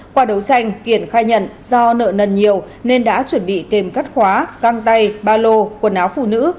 qua đấu tranh kiệt khai nhận do nợ nần nhiều nên đã chuẩn bị kèm cắt khóa găng tay ba lô quần áo phụ nữ